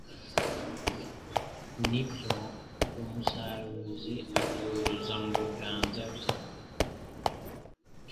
Ni byo umusaruzi atuzuza mu biganza bye